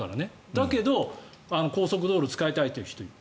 だけど、高速道路を使いたいという人がいる。